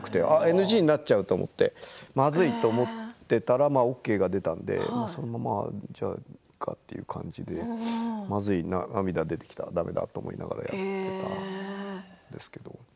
ＮＧになっちゃうと思ってまずいと思ったんですけどＯＫが出たのでそのままじゃあいいかという感じで涙が出てきた、まずいだめだと思いながらやっていました。